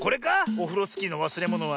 オフロスキーのわすれものは。